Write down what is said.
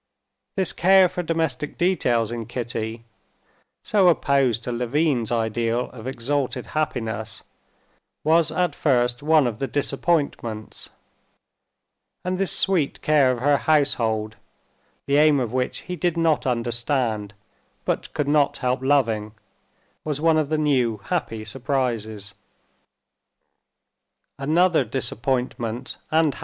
This care for domestic details in Kitty, so opposed to Levin's ideal of exalted happiness, was at first one of the disappointments; and this sweet care of her household, the aim of which he did not understand, but could not help loving, was one of the new happy surprises.